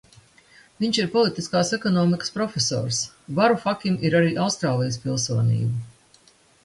Viņš ir politiskās ekonomikas profesors, Varufakim ir arī Austrālijas pilsonība.